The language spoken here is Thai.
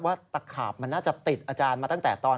ตะขาบมันน่าจะติดอาจารย์มาตั้งแต่ตอน